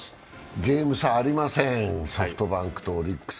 ゲーム差ありません、ソフトバンクとオリックス。